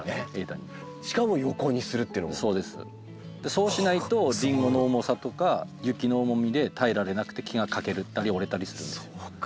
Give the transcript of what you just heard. そうしないとリンゴの重さとか雪の重みで耐えられなくて木が欠けたり折れたりする。